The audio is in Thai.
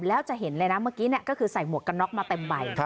แล้วจะเห็นเลยนะเมื่อกี้ก็คือใส่หมวกกันน็อกมาเต็มใบ